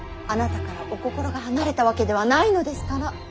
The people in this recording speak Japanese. あなたからお心が離れたわけではないのですから。